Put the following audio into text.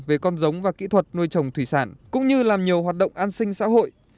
về con giống và kỹ thuật nuôi trồng thủy sản cũng như làm nhiều hoạt động an sinh xã hội